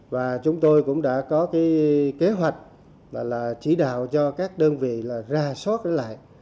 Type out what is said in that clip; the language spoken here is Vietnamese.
và chúng tôi cũng đã có kế hoạch là chỉ đạo cho các đơn vị là ra soát lại